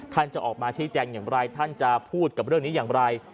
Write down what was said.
ท่านจะออกมาชี้แจงอย่างไรท่านจะพูดกับเรื่องนี้อย่างไร